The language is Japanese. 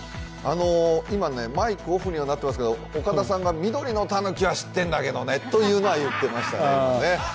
今、マイクオフにはなってますけど、岡田さんが緑のたぬきは知ってるんだけどねというのは言っていましたけどね。